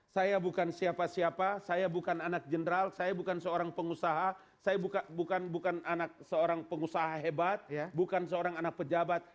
saya bukan siapa siapa saya bukan anak general saya bukan seorang pengusaha saya bukan anak seorang pengusaha hebat bukan seorang anak pejabat